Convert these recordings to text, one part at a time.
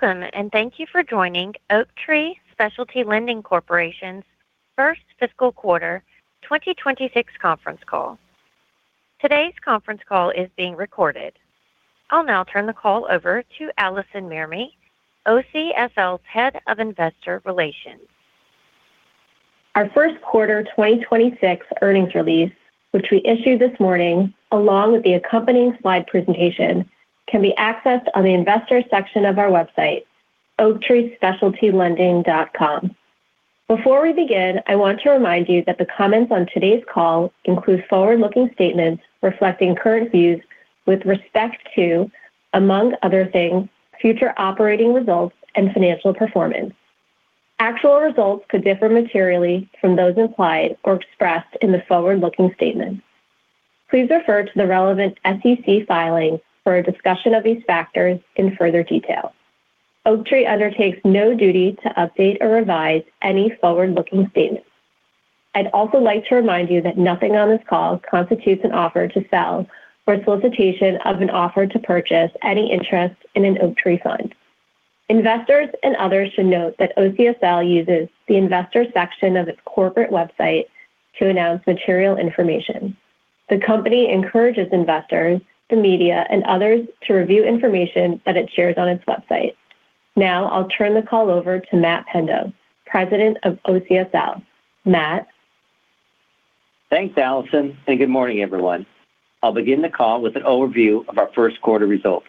Welcome, and thank you for joining Oaktree Specialty Lending Corporation's First Fiscal Quarter 2026 Conference Call. Today's conference call is being recorded. I'll now turn the call over to Alison Mermey, OCSL's Head of Investor Relations. Our First Quarter 2026 Earnings Release, which we issued this morning, along with the accompanying slide presentation, can be accessed on the investor section of our website, oaktreespecialtylending.com. Before we begin, I want to remind you that the comments on today's call include forward-looking statements reflecting current views with respect to, among other things, future operating results and financial performance. Actual results could differ materially from those implied or expressed in the forward-looking statements. Please refer to the relevant SEC filings for a discussion of these factors in further detail. Oaktree undertakes no duty to update or revise any forward-looking statements. I'd also like to remind you that nothing on this call constitutes an offer to sell or solicitation of an offer to purchase any interest in an Oaktree fund. Investors and others should note that OCSL uses the investor section of its corporate website to announce material information. The company encourages investors, the media, and others to review information that it shares on its website. Now, I'll turn the call over to Matt Pendo, President of OCSL. Matt? Thanks, Alison, and good morning, everyone. I'll begin the call with an overview of our first quarter results.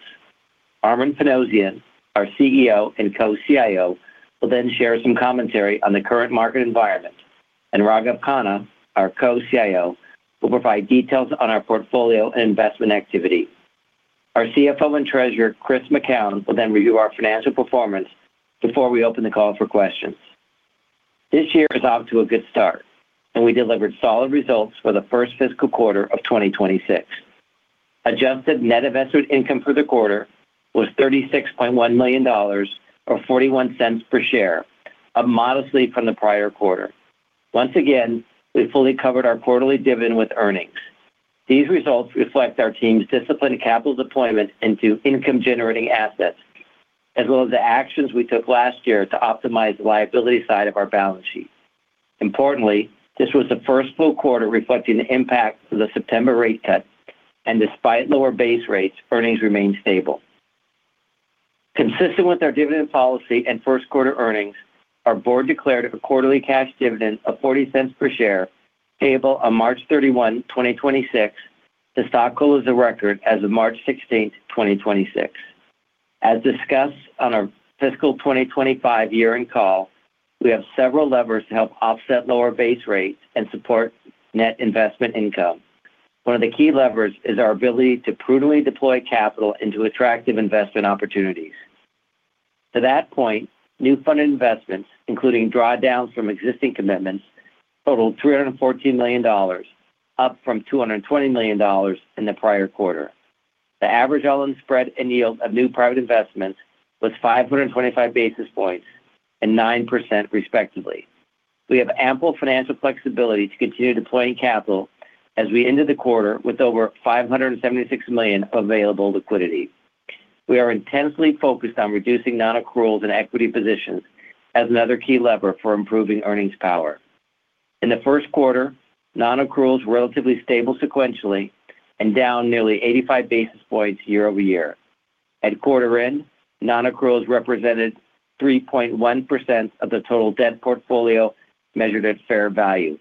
Armen Panossian, our CEO and Co-CIO, will then share some commentary on the current market environment, and Raghav Khanna, our Co-CIO, will provide details on our portfolio and investment activity. Our CFO and Treasurer, Chris McKown, will then review our financial performance before we open the call for questions. This year is off to a good start, and we delivered solid results for the first fiscal quarter of 2026. Adjusted Net Investment Income for the quarter was $36.1 million, or $0.41 per share, up modestly from the prior quarter. Once again, we fully covered our quarterly dividend with earnings. These results reflect our team's disciplined capital deployment into income-generating assets, as well as the actions we took last year to optimize the liability side of our balance sheet. Importantly, this was the first full quarter reflecting the impact of the September rate cut, and despite lower base rates, earnings remained stable. Consistent with our dividend policy and first quarter earnings, our board declared a quarterly cash dividend of $0.40 per share, payable on March 31, 2026. The stock closed the record as of March 16, 2026. As discussed on our fiscal 2025 year-end call, we have several levers to help offset lower base rates and support net investment income. One of the key levers is our ability to prudently deploy capital into attractive investment opportunities. To that point, new funded investments, including drawdowns from existing commitments, totaled $314 million, up from $220 million in the prior quarter. The average all-in spread and yield of new private investments was 525 basis points and 9%, respectively. We have ample financial flexibility to continue deploying capital as we ended the quarter with over $576 million available liquidity. We are intensely focused on reducing non-accruals and equity positions as another key lever for improving earnings power. In the first quarter, non-accruals were relatively stable sequentially and down nearly 85 basis points year-over-year. At quarter end, non-accruals represented 3.1% of the total debt portfolio, measured at fair value.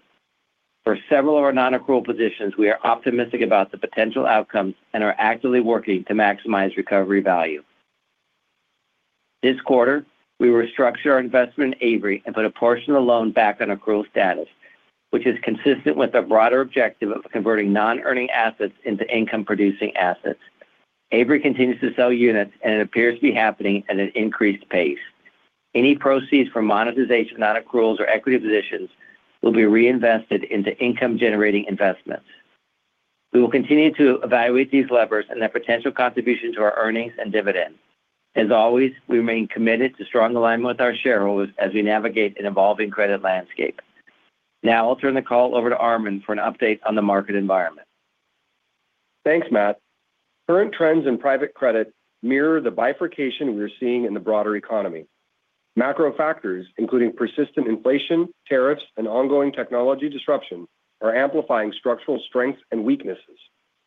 For several of our non-accrual positions, we are optimistic about the potential outcomes and are actively working to maximize recovery value. This quarter, we restructured our investment in Avery and put a portion of the loan back on accrual status, which is consistent with the broader objective of converting non-earning assets into income-producing assets. Avery continues to sell units, and it appears to be happening at an increased pace. Any proceeds from monetization of non-accruals or equity positions will be reinvested into income-generating investments. We will continue to evaluate these levers and their potential contribution to our earnings and dividends. As always, we remain committed to strong alignment with our shareholders as we navigate an evolving credit landscape. Now, I'll turn the call over to Armen for an update on the market environment. Thanks, Matt. Current trends in private credit mirror the bifurcation we are seeing in the broader economy. Macro factors, including persistent inflation, tariffs, and ongoing technology disruption, are amplifying structural strengths and weaknesses,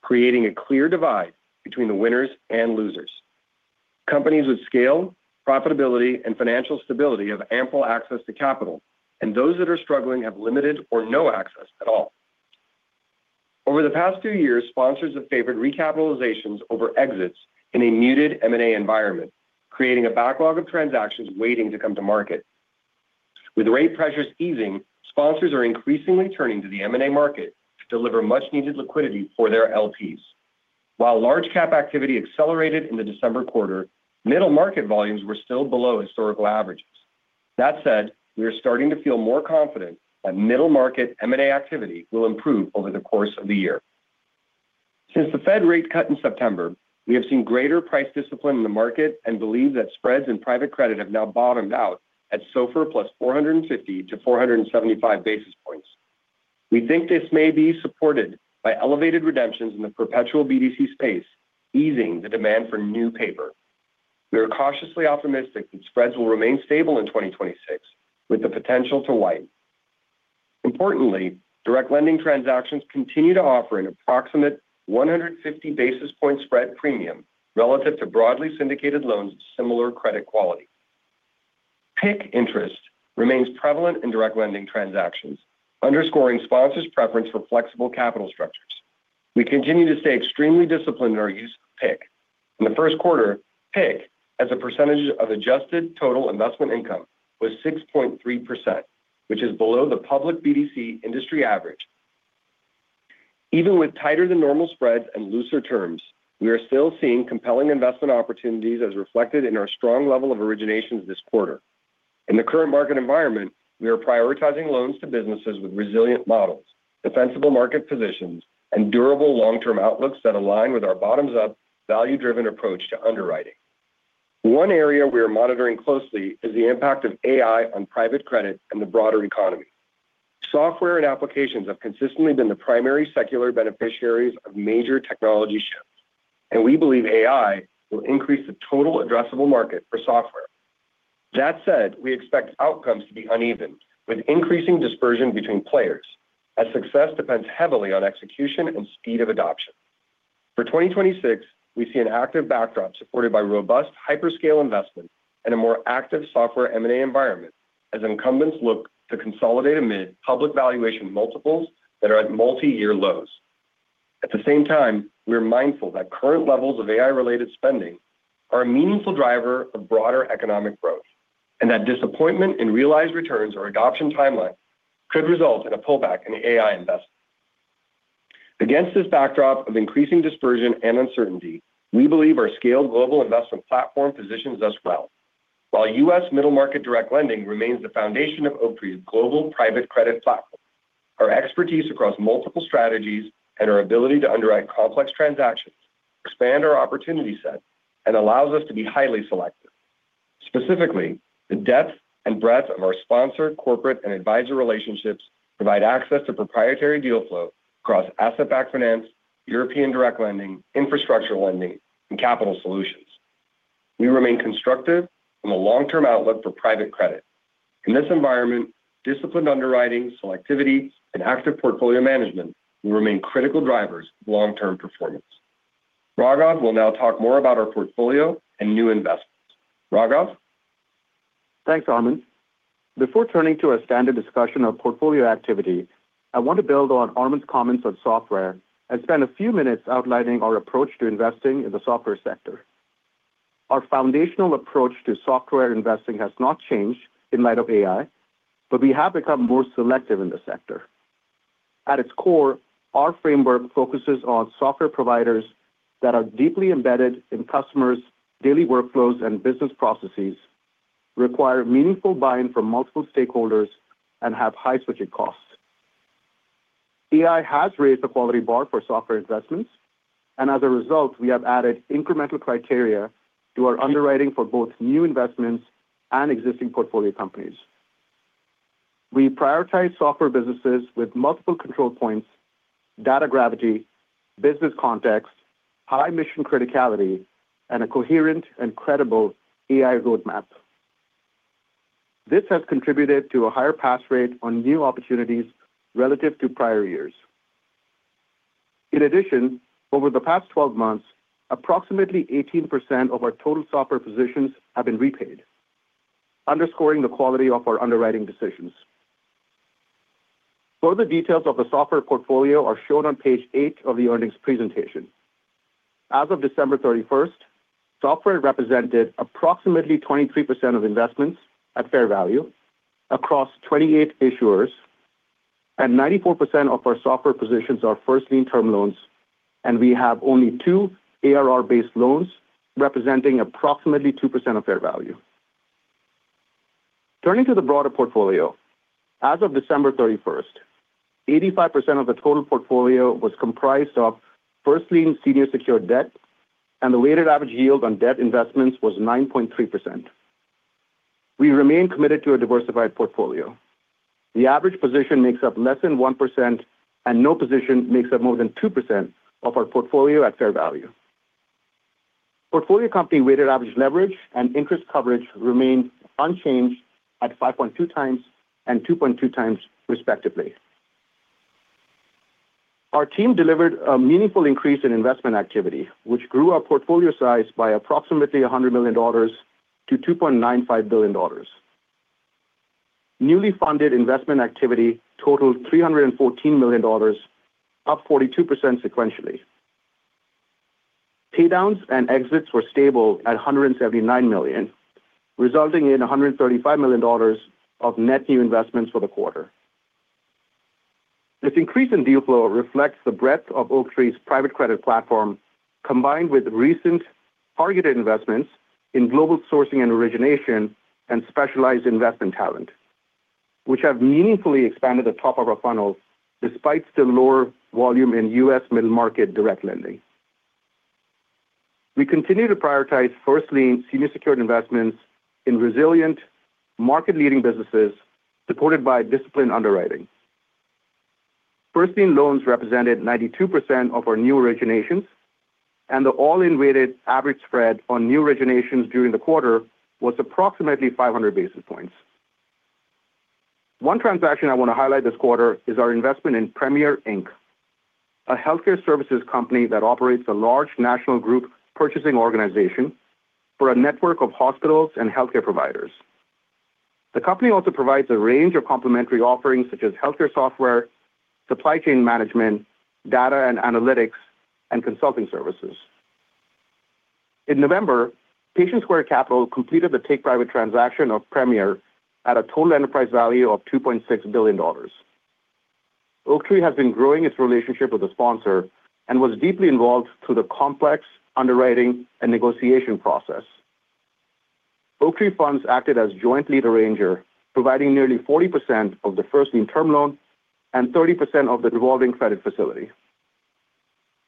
creating a clear divide between the winners and losers. Companies with scale, profitability, and financial stability have ample access to capital, and those that are struggling have limited or no access at all. Over the past two years, sponsors have favored recapitalizations over exits in a muted M&A environment, creating a backlog of transactions waiting to come to market. With rate pressures easing, sponsors are increasingly turning to the M&A market to deliver much-needed liquidity for their LPs. While large cap activity accelerated in the December quarter, middle market volumes were still below historical averages. That said, we are starting to feel more confident that middle-market M&A activity will improve over the course of the year. Since the Fed rate cut in September, we have seen greater price discipline in the market and believe that spreads in private credit have now bottomed out at SOFR +450-475 basis points. We think this may be supported by elevated redemptions in the perpetual BDC space, easing the demand for new paper. We are cautiously optimistic that spreads will remain stable in 2026, with the potential to widen. Importantly, direct lending transactions continue to offer an approximate 150 basis point spread premium relative to broadly syndicated loans with similar credit quality. PIK interest remains prevalent in direct lending transactions, underscoring sponsors' preference for flexible capital structures. We continue to stay extremely disciplined in our use of PIK. In the first quarter, PIK, as a percentage of adjusted total investment income, was 6.3%, which is below the public BDC industry average. Even with tighter than normal spreads and looser terms, we are still seeing compelling investment opportunities as reflected in our strong level of originations this quarter. In the current market environment, we are prioritizing loans to businesses with resilient models, defensible market positions, and durable long-term outlooks that align with our bottoms-up, value-driven approach to underwriting. One area we are monitoring closely is the impact of AI on private credit and the broader economy. Software and applications have consistently been the primary secular beneficiaries of major technology shifts, and we believe AI will increase the total addressable market for software. That said, we expect outcomes to be uneven, with increasing dispersion between players, as success depends heavily on execution and speed of adoption. For 2026, we see an active backdrop supported by robust hyperscale investment and a more active software M&A environment as incumbents look to consolidate amid public valuation multiples that are at multi-year lows. At the same time, we are mindful that current levels of AI-related spending are a meaningful driver of broader economic growth, and that disappointment in realized returns or adoption timelines could result in a pullback in AI investment. Against this backdrop of increasing dispersion and uncertainty, we believe our scaled global investment platform positions us well. While U.S. middle market direct lending remains the foundation of Oaktree's global private credit platform, our expertise across multiple strategies and our ability to underwrite complex transactions expand our opportunity set and allows us to be highly selective. Specifically, the depth and breadth of our sponsor, corporate, and advisor relationships provide access to proprietary deal flow across asset-backed finance, European direct lending, infrastructure lending, and capital solutions. We remain constructive on the long-term outlook for private credit. In this environment, disciplined underwriting, selectivity, and active portfolio management will remain critical drivers of long-term performance. Raghav will now talk more about our portfolio and new investments. Raghav? Thanks, Armen. Before turning to our standard discussion of portfolio activity, I want to build on Armen's comments on software and spend a few minutes outlining our approach to investing in the software sector. Our foundational approach to software investing has not changed in light of AI, but we have become more selective in the sector. At its core, our framework focuses on software providers that are deeply embedded in customers daily workflows and business processes, require meaningful buy-in from multiple stakeholders, and have high switching costs. AI has raised the quality bar for software investments, and as a result, we have added incremental criteria to our underwriting for both new investments and existing portfolio companies. We prioritize software businesses with multiple control points, data gravity, business context, high mission criticality, and a coherent and credible AI roadmap. This has contributed to a higher pass rate on new opportunities relative to prior years. In addition, over the past 12 months, approximately 18% of our total software positions have been repaid, underscoring the quality of our underwriting decisions. Further details of the software portfolio are shown on page eight of the earnings presentation. As of December 31, software represented approximately 23% of investments at fair value across 28 issuers, and 94% of our software positions are first lien term loans, and we have only two ARR-based loans, representing approximately 2% of fair value. Turning to the broader portfolio, as of December 31, 85% of the total portfolio was comprised of first lien senior secured debt, and the weighted average yield on debt investments was 9.3%. We remain committed to a diversified portfolio. The average position makes up less than 1%, and no position makes up more than 2% of our portfolio at fair value. Portfolio company weighted average leverage and interest coverage remain unchanged at 5.2× and 2.2×, respectively. Our team delivered a meaningful increase in investment activity, which grew our portfolio size by approximately $100 million to $2.95 billion. Newly funded investment activity totaled $314 million, up 42% sequentially. Paydowns and exits were stable at $179 million, resulting in $135 million of net new investments for the quarter. This increase in deal flow reflects the breadth of Oaktree's private credit platform, combined with recent targeted investments in global sourcing and origination and specialized investment talent, which have meaningfully expanded the top of our funnel despite still lower volume in U.S. middle market direct lending. We continue to prioritize first lien senior secured investments in resilient market-leading businesses, supported by disciplined underwriting. First lien loans represented 92% of our new originations, and the all-in weighted average spread on new originations during the quarter was approximately 500 basis points. One transaction I want to highlight this quarter is our investment in Premier, Inc., a healthcare services company that operates a large national group purchasing organization for a network of hospitals and healthcare providers. The company also provides a range of complementary offerings, such as healthcare software, supply chain management, data and analytics, and consulting services. In November, Patient Square Capital completed the take private transaction of Premier at a total enterprise value of $2.6 billion. Oaktree has been growing its relationship with the sponsor and was deeply involved through the complex underwriting and negotiation process. Oaktree Funds acted as joint lead arranger, providing nearly 40% of the first lien term loan and 30% of the revolving credit facility.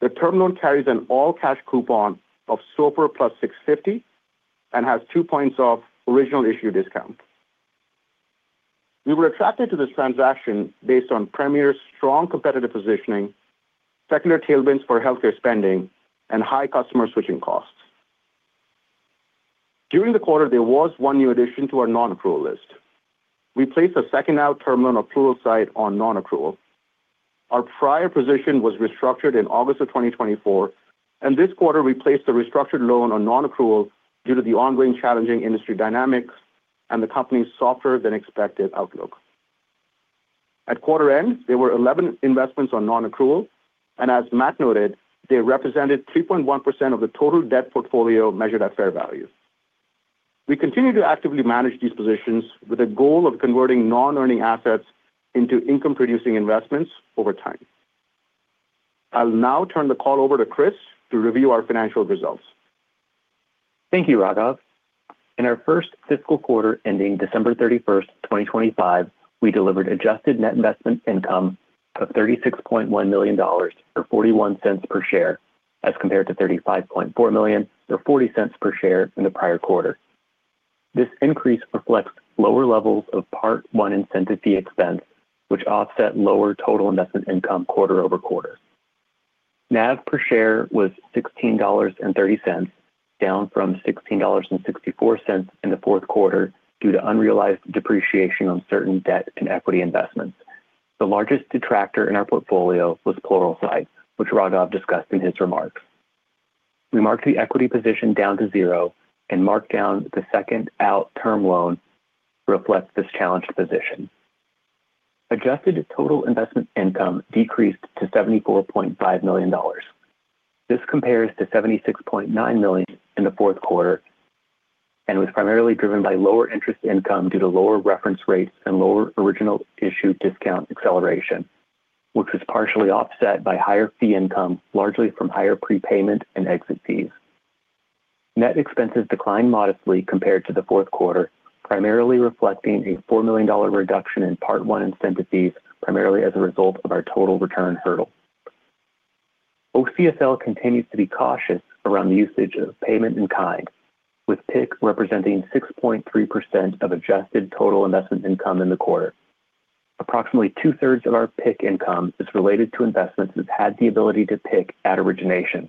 The term loan carries an all-cash coupon of SOFR +650 and has two points of original issue discount. We were attracted to this transaction based on Premier's strong competitive positioning, secular tailwinds for healthcare spending, and high customer switching costs. During the quarter, there was one new addition to our non-accrual list. We placed a second out term loan Pluralsight on non-accrual. Our prior position was restructured in August of 2024, and this quarter we placed the restructured loan on non-accrual due to the ongoing challenging industry dynamics and the company's softer than expected outlook. At quarter end, there were 11 investments on non-accrual, and as Matt noted, they represented 3.1% of the total debt portfolio measured at fair value. We continue to actively manage these positions with a goal of converting non-earning assets into income-producing investments over time. I'll now turn the call over to Chris to review our financial results. Thank you, Raghav. In our first fiscal quarter, ending December 31, 2025, we delivered adjusted net investment income of $36.1 million, or $0.41 per share, as compared to $35.4 million or $0.40 per share in the prior quarter. NAV per share was $16.30, down from $16.64 in the fourth quarter due to unrealized depreciation on certain debt and equity investments. The largest detractor in our portfolio was Pluralsight, which Raghav discussed in his remarks. We marked the equity position down to zero and marked down the second-lien term loan reflects this challenged position. Adjusted total investment income decreased to $74.5 million. This compares to $76.9 million in the fourth quarter and was primarily driven by lower interest income due to lower reference rates and lower original issue discount acceleration, which was partially offset by higher fee income, largely from higher prepayment and exit fees. Net expenses declined modestly compared to the fourth quarter, primarily reflecting a $4 million reduction in part one incentive fees, primarily as a result of our total return hurdle. OCSL continues to be cautious around the usage of payment in kind, with PIK representing 6.3% of adjusted total investment income in the quarter. Approximately 2/3 of our PIK income is related to investments that had the ability to PIK at origination.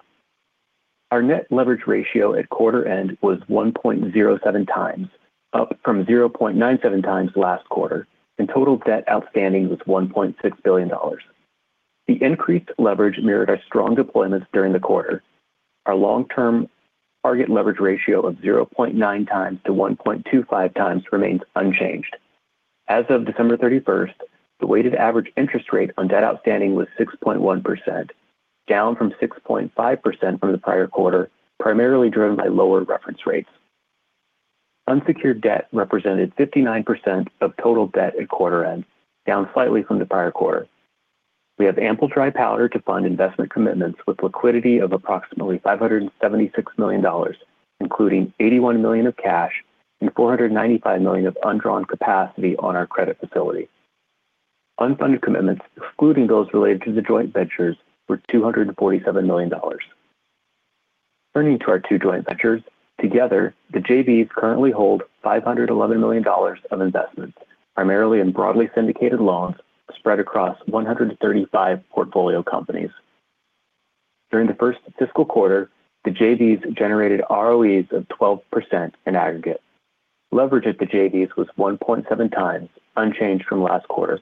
Our net leverage ratio at quarter end was 1.07×, up from 0.97× last quarter, and total debt outstanding was $1.6 billion. The increased leverage mirrored our strong deployments during the quarter. Our long-term target leverage ratio of 0.9×-1.25× remains unchanged. As of December 31, the weighted average interest rate on debt outstanding was 6.1%, down from 6.5% from the prior quarter, primarily driven by lower reference rates. Unsecured debt represented 59% of total debt at quarter end, down slightly from the prior quarter. We have ample dry powder to fund investment commitments, with liquidity of approximately $576 million, including $81 million of cash and $495 million of undrawn capacity on our credit facility. Unfunded commitments, excluding those related to the joint ventures, were $247 million. Turning to our two joint ventures. Together, the JVs currently hold $511 million of investments, primarily in broadly syndicated loans spread across 135 portfolio companies. During the first fiscal quarter, the JVs generated ROEs of 12% in aggregate. Leverage at the JVs was 1.7×, unchanged from last quarter.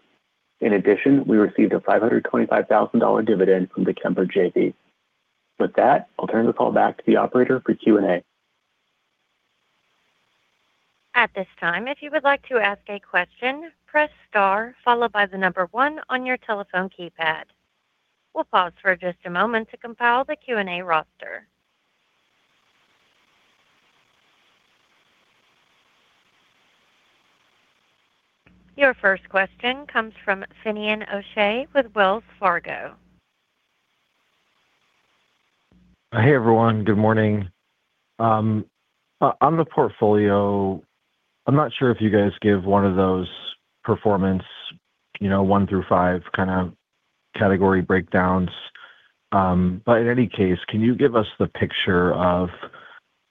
In addition, we received a $525,000 dividend from the Kemper JV. With that, I'll turn the call back to the operator for Q&A. At this time, if you would like to ask a question, press star followed by the number one on your telephone keypad. We'll pause for just a moment to compile the Q&A roster. Your first question comes from Finian O'Shea with Wells Fargo. Hey, everyone. Good morning. On the portfolio, I'm not sure if you guys give one of those performance, you know, one through five kind of category breakdowns. But in any case, can you give us the picture of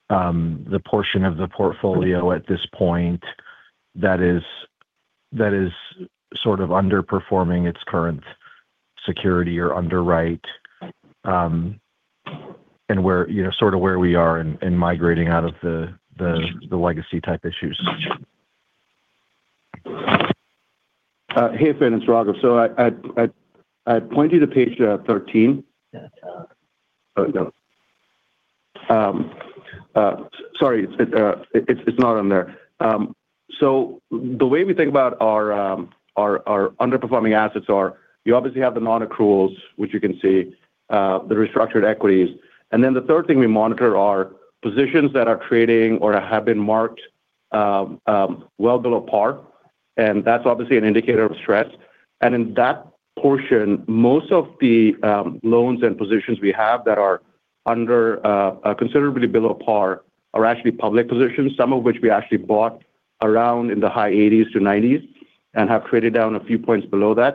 the portion of the portfolio at this point that is sort of underperforming its current security or underwrite? And where, you know, sort of where we are in migrating out of the legacy type issues? Hey, Fin, it's Raghav. So I'd point you to page 13. No. Sorry, it's not on there. So the way we think about our underperforming assets are, you obviously have the non-accruals, which you can see, the restructured equities. And then the third thing we monitor are positions that are trading or have been marked well below par, and that's obviously an indicator of stress. And in that portion, most of the loans and positions we have that are considerably below par are actually public positions, some of which we actually bought around in the high 80s-90s and have traded down a few points below that.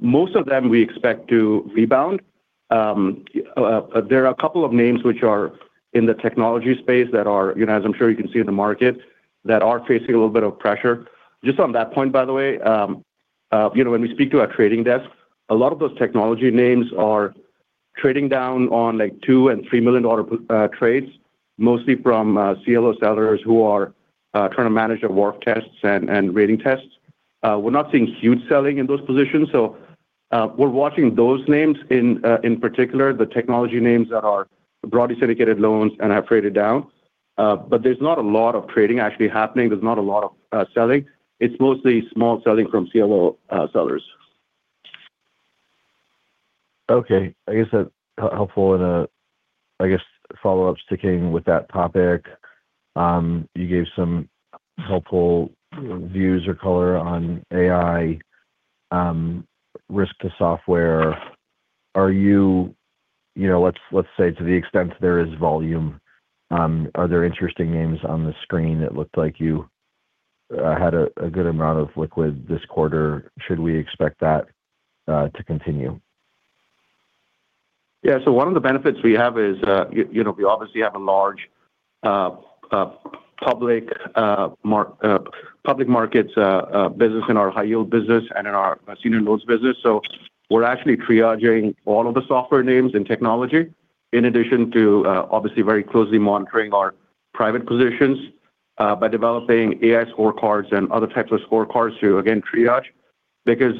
Most of them we expect to rebound. There are a couple of names which are in the technology space that are, you know, as I'm sure you can see in the market, that are facing a little bit of pressure. Just on that point, by the way, you know, when we speak to our trading desk, a lot of those technology names are trading down on, like, $2 million and $3 million trades, mostly from CLO sellers who are trying to manage their WARF tests and rating tests. We're not seeing huge selling in those positions, so we're watching those names in particular, the technology names that are broadly syndicated loans and have traded down. But there's not a lot of trading actually happening. There's not a lot of selling. It's mostly small selling from CLO sellers. Okay. I guess that helpful. I guess follow-up, sticking with that topic, you gave some helpful views or color on AI risk to software. Are you, you know, let's, let's say to the extent there is volume, are there interesting names on the screen that looked like you had a good amount of liquid this quarter? Should we expect that to continue? Yeah. So one of the benefits we have is, you know, we obviously have a large public markets business in our high yield business and in our senior loans business. So we're actually triaging all of the software names and technology, in addition to, obviously, very closely monitoring our private positions, by developing AI scorecards and other types of scorecards to, again, triage. Because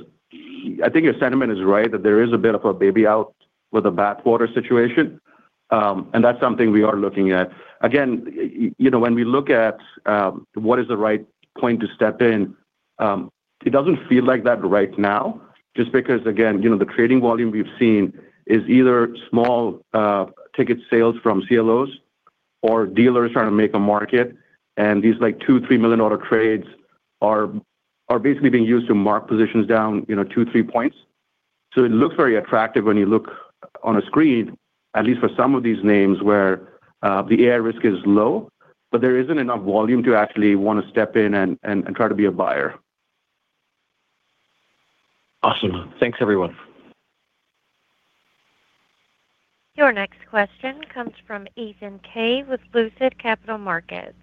I think your sentiment is right, that there is a bit of a baby out with a bathwater situation, and that's something we are looking at. Again, you know, when we look at what is the right point to step in, it doesn't feel like that right now, just because, again, you know, the trading volume we've seen is either small ticket sales from CLOs or dealers trying to make a market, and these, like, $2 million-$3 million trades are basically being used to mark positions down, you know, two to three points. So it looks very attractive when you look on a screen, at least for some of these names, where the AI risk is low, but there isn't enough volume to actually want to step in and try to be a buyer. Awesome. Thanks, everyone. Your next question comes from Ethan Kaye, with Lucid Capital Markets.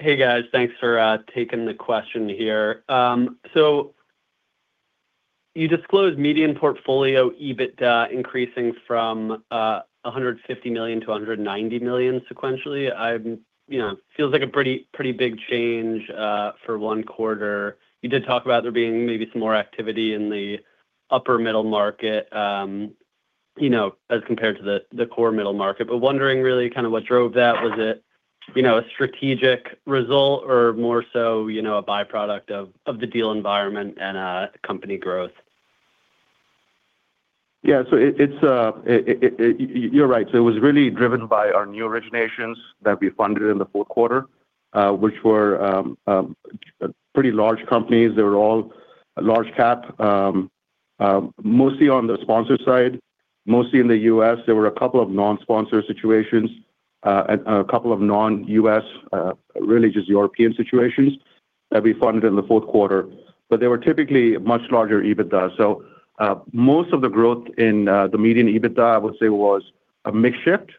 Hey, guys. Thanks for taking the question here. So you disclosed median portfolio EBITDA increasing from $150 million to $190 million sequentially. You know, feels like a pretty, pretty big change for one quarter. You did talk about there being maybe some more activity in the upper middle market, you know, as compared to the core middle market. But wondering really kind of what drove that. Was it, you know, a strategic result or more so, you know, a by-product of the deal environment and company growth? Yeah, so it's, you're right. So it was really driven by our new originations that we funded in the fourth quarter, which were pretty large companies. They were all large cap, mostly on the sponsor side, mostly in the U.S. there were a couple of non-sponsor situations, and a couple of non-U.S., really just European situations that we funded in the fourth quarter, but they were typically much larger EBITDA. So, most of the growth in the median EBITDA, I would say, was a mix shift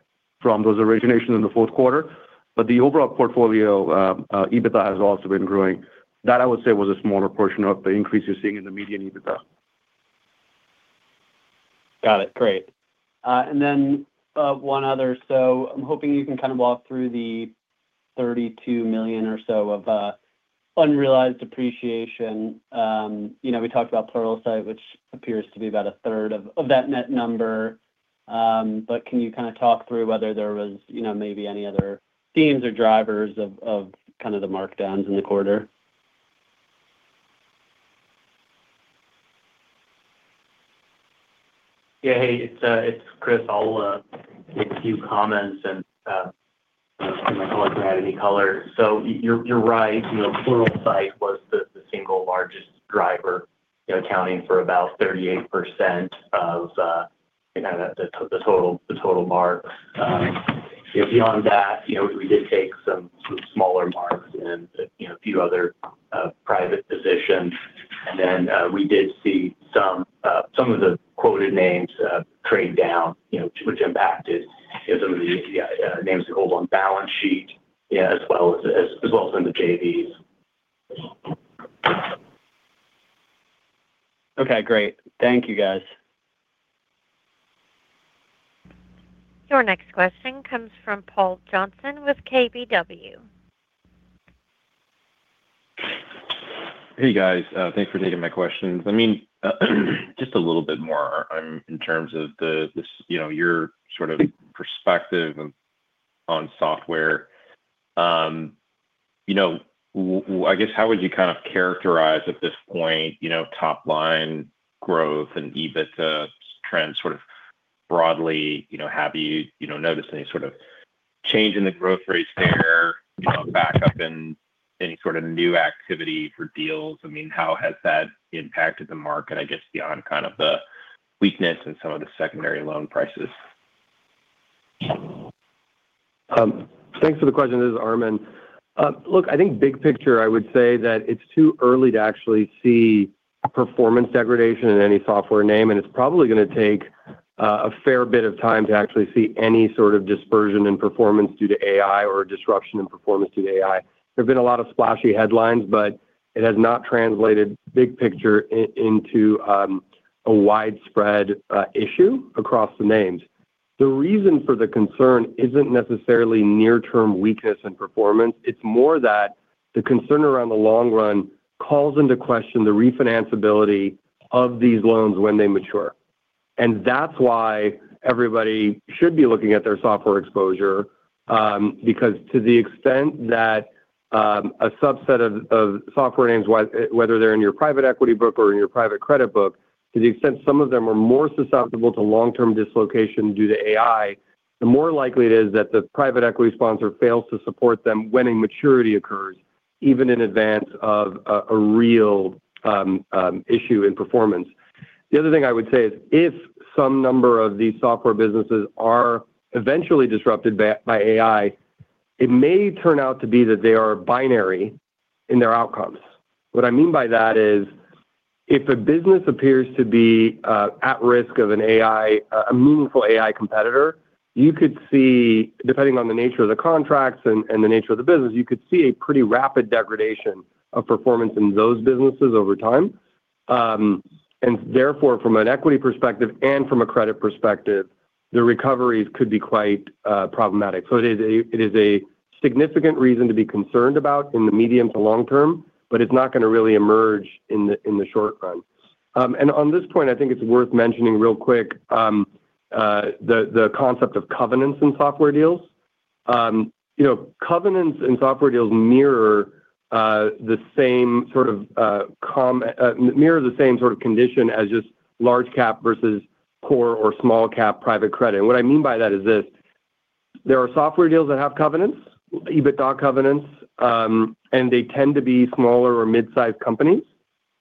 from those originations in the fourth quarter. But the overall portfolio EBITDA has also been growing. That, I would say, was a smaller portion of the increase you're seeing in the median EBITDA. Got it. Great. And then one other. So I'm hoping you can kind of walk through the $32 million or so of unrealized appreciation. You know, we talked about Pluralsight, which appears to be about a third of that net number. But can you kind of talk through whether there was, you know, maybe any other themes or drivers of kind of the markdowns in the quarter? Yeah. Hey, it's Chris. I'll make a few comments and see if I have any color. So you're right, you know, Pluralsight was the single largest driver, accounting for about 38% of you know, the total mark. Beyond that, you know, we did take some smaller marks in, you know, a few other private positions. And then, we did see some of the quoted names trade down, you know, which impacted, you know, some of the names that hold on balance sheet, yeah, as well as in the JVs. Okay, great. Thank you, guys. Your next question comes from Paul Johnson with KBW. Hey, guys. Thanks for taking my questions. I mean, just a little bit more, in terms of the you know, your sort of perspective on software. You know, I guess, how would you kind of characterize at this point, you know, top line growth and EBITDA trends sort of broadly? You know, have you, you know, noticed any sort of change in the growth rates there, you know, a back up in any sort of new activity for deals? I mean, how has that impacted the market, I guess, beyond kind of the weakness in some of the secondary loan prices? Thanks for the question. This is Armen. Look, I think big picture, I would say that it's too early to actually see performance degradation in any software name, and it's probably going to take a fair bit of time to actually see any sort of dispersion in performance due to AI or disruption in performance due to AI. There have been a lot of splashy headlines, but it has not translated big picture into a widespread issue across the names. The reason for the concern isn't necessarily near-term weakness in performance. It's more that the concern around the long run calls into question the refinance ability of these loans when they mature. That's why everybody should be looking at their software exposure, because to the extent that a subset of software names, whether they're in your private equity book or in your private credit book, to the extent some of them are more susceptible to long-term dislocation due to AI, the more likely it is that the private equity sponsor fails to support them when a maturity occurs, even in advance of a real issue in performance. The other thing I would say is, if some number of these software businesses are eventually disrupted by AI, it may turn out to be that they are binary in their outcomes. What I mean by that is, if a business appears to be at risk of an AI, a meaningful AI competitor, you could see, depending on the nature of the contracts and the nature of the business, you could see a pretty rapid degradation of performance in those businesses over time. And therefore, from an equity perspective and from a credit perspective, the recoveries could be quite problematic. So it is a significant reason to be concerned about in the medium to long term, but it's not going to really emerge in the short run. And on this point, I think it's worth mentioning real quick, the concept of covenants in software deals. You know, covenants in software deals mirror the same sort of condition as just large cap versus core or small cap private credit. And what I mean by that is this, there are software deals that have covenants, EBITDA covenants, and they tend to be smaller or mid-sized companies.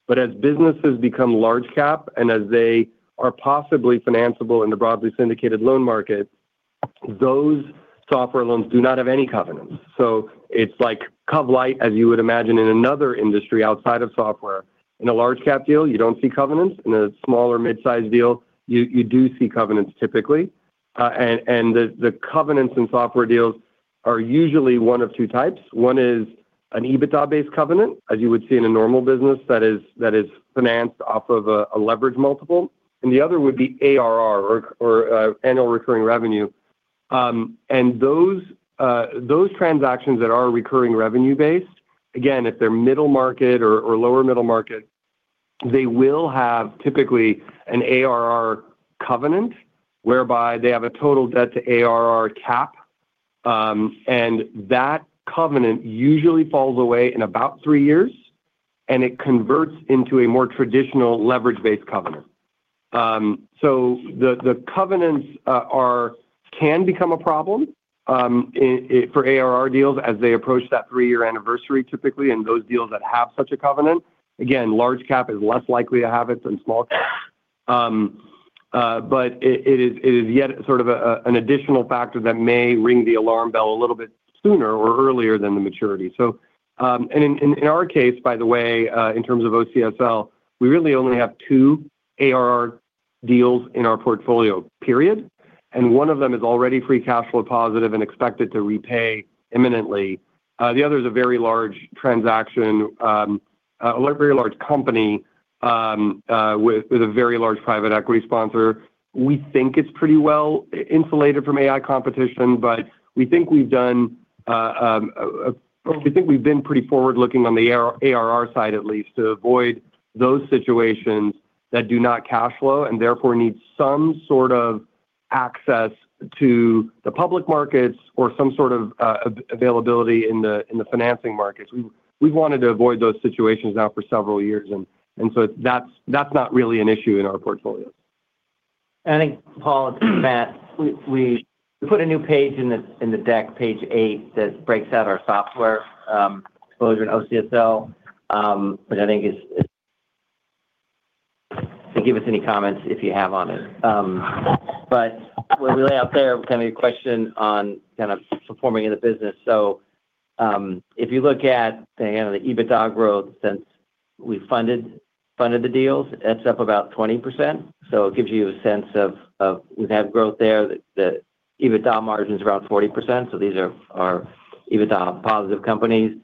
But as businesses become large cap and as they are possibly financeable in the broadly syndicated loan market, those software loans do not have any covenants. So it's like cov-lite, as you would imagine in another industry outside of software. In a large cap deal, you don't see covenants. In a small or mid-sized deal, you do see covenants typically. And the covenants in software deals are usually one of two types. One is an EBITDA-based covenant, as you would see in a normal business that is financed off of a leverage multiple, and the other would be ARR or annual recurring revenue. And those transactions that are recurring revenue-based, again, if they're middle market or lower middle market, they will have typically an ARR covenant, whereby they have a total debt to ARR cap, and that covenant usually falls away in about three years, and it converts into a more traditional leverage-based covenant. So the covenants can become a problem in for ARR deals as they approach that three-year anniversary, typically, in those deals that have such a covenant. Again, large cap is less likely to have it than small cap. But it is yet sort of an additional factor that may ring the alarm bell a little bit sooner or earlier than the maturity. So, and in our case, by the way, in terms of OCSL, we really only have two ARR deals in our portfolio, period, and one of them is already free cash flow positive and expected to repay imminently. The other is a very large transaction, a very large company, with a very large private equity sponsor. We think it's pretty well insulated from AI competition, but we think we've done, we think we've been pretty forward-looking on the ARR side, at least, to avoid those situations that do not cash flow, and therefore need some sort of access to the public markets or some sort of availability in the financing markets. We've wanted to avoid those situations now for several years, and so that's not really an issue in our portfolio. I think, Paul, that we put a new page in the deck, page eight, that breaks out our software exposure to OCSL. But I think it's, and give us any comments if you have on it. But we're really out there, kind of a question on, kind of, performing in the business. So, if you look at the, you know, the EBITDA growth since we funded the deals, it's up about 20%. So it gives you a sense of we've had growth there, that EBITDA margin is around 40%. So these are EBITDA positive companies.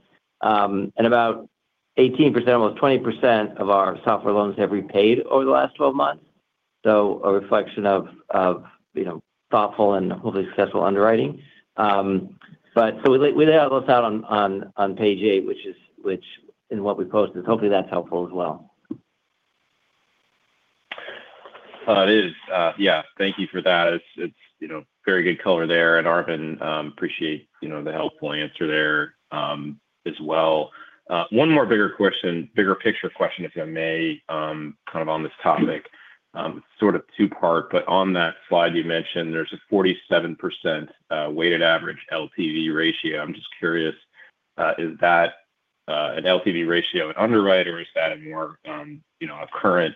And about 18%, almost 20% of our software loans have repaid over the last 12 months. So a reflection of you know, thoughtful and hopefully successful underwriting. But so we lay all this out on page eight, which is in what we posted. Hopefully, that's helpful as well. It is. Yeah, thank you for that. It's, it's, you know, very good color there. And, Armen, appreciate, you know, the helpful answer there, as well. One more bigger question, bigger picture question, if I may, kind of, on this topic. Sort of two-part, but on that slide, you mentioned there's a 47%, weighted average LTV ratio. I'm just curious, is that, an LTV ratio, an underwritten, or is that a more, you know, a current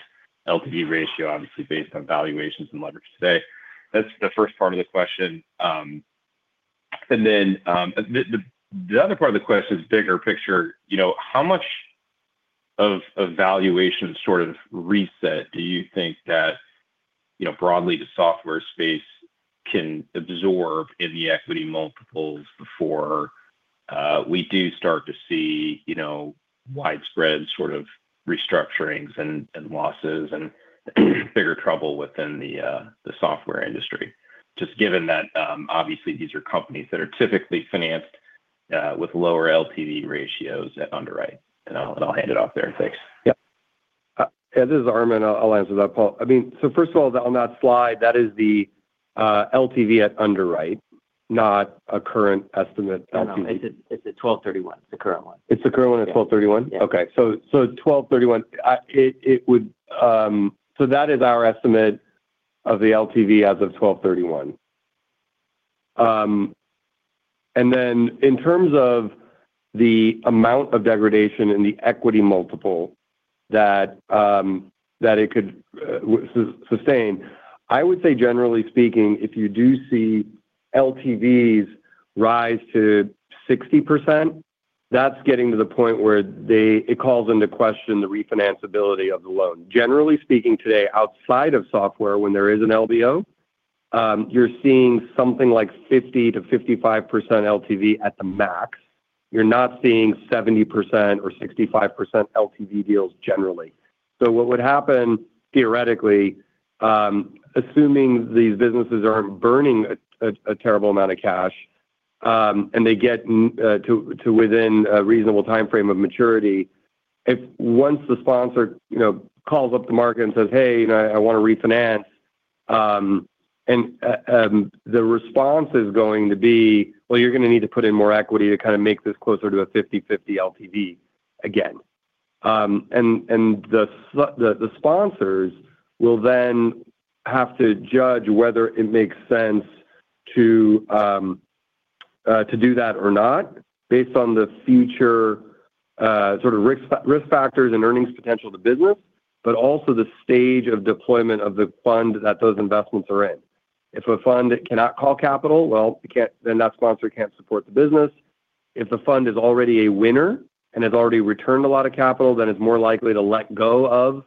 LTV ratio, obviously, based on valuations and leverage today? That's the first part of the question. And then, the other part of the question is bigger picture. You know, how much of a valuation sort of reset do you think that, you know, broadly, the software space can absorb in the equity multiples before we do start to see, you know, widespread sort of restructurings and losses and bigger trouble within the software industry? Just given that, obviously, these are companies that are typically financed with lower LTV ratios at underwrite. And I'll hand it off there. Thanks. Yeah. Yeah, this is Armen. I'll answer that, Paul. I mean, so first of all, on that slide, that is the LTV at underwrite, not a current estimate LTV. No, no, it's the, it's the 12/31, the current one. It's the current one at 12/31? Yeah. Okay. So that is our estimate of the LTV as of 12/31. And then in terms of the amount of degradation in the equity multiple that it could sustain, I would say, generally speaking, if you do see LTVs rise to 60%, that's getting to the point where it calls into question the refinanceability of the loan. Generally speaking, today, outside of software, when there is an LBO, you're seeing something like 50%-55% LTV at the max. You're not seeing 70% or 65% LTV deals generally. So what would happen, theoretically, assuming these businesses aren't burning a terrible amount of cash, and they get to within a reasonable timeframe of maturity, if once the sponsor, you know, calls up the market and says, hey, you know, I want to refinance, and the response is going to be, well, you're gonna need to put in more equity to kind of make this closer to a 50/50 LTV again. And the sponsors will then have to judge whether it makes sense to do that or not, based on the future sort of risk factors and earnings potential of the business, but also the stage of deployment of the fund that those investments are in. If a fund cannot call capital, well, it can't, then that sponsor can't support the business. If the fund is already a winner and has already returned a lot of capital, then it's more likely to let go of,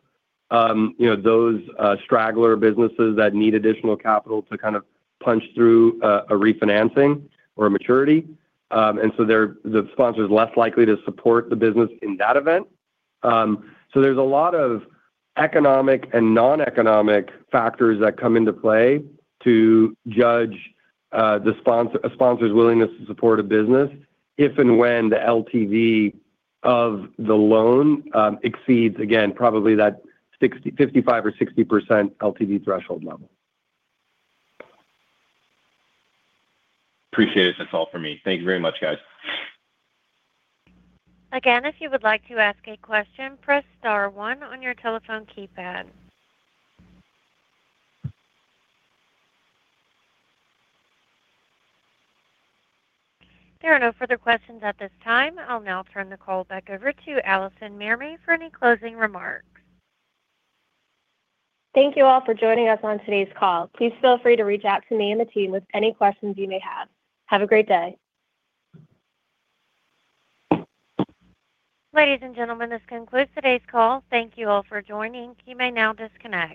you know, those straggler businesses that need additional capital to kind of punch through a refinancing or a maturity. And so they're, the sponsor is less likely to support the business in that event. So there's a lot of economic and non-economic factors that come into play to judge a sponsor's willingness to support a business if and when the LTV of the loan exceeds, again, probably that 55%-60% LTV threshold level. Appreciate it. That's all for me. Thank you very much, guys. Again, if you would like to ask a question, press star one on your telephone keypad. There are no further questions at this time. I'll now turn the call back over to Alison Mermey for any closing remarks. Thank you all for joining us on today's call. Please feel free to reach out to me and the team with any questions you may have. Have a great day. Ladies and gentlemen, this concludes today's call. Thank you all for joining. You may now disconnect.